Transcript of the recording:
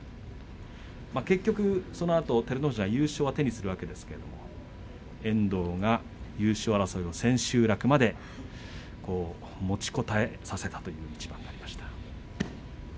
結局、そのあと照ノ富士は優勝手にするんですが遠藤が優勝争いを千秋楽まで持ちこたえさせたという一番でした。